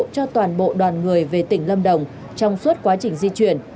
cho toàn bộ đoàn người về tỉnh lâm đồng trong suốt quá trình di chuyển